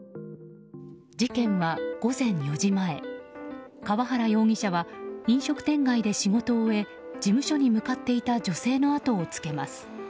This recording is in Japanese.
事件は午前４時前、川原容疑者は飲食店街で仕事を終え事務所に向かっていた女性の後をつけます。